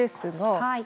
はい。